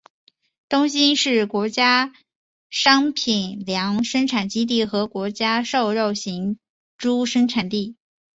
东兴是国家商品粮生产基地和国家瘦肉型猪生产基地。